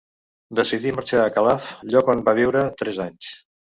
Decidí marxar a Calaf, lloc on va viure tres anys.